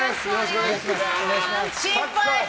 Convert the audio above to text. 心配！